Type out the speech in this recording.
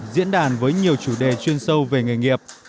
gian với nhiều chủ đề chuyên sâu về nghề nghiệp